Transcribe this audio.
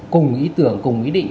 cùng ý tưởng cùng ý định